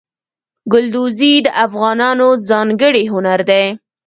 ګلدوزي د افغانانو ځانګړی هنر دی.